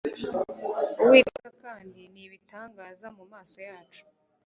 uwiteka kandi ni ibitangaza mu maso yacu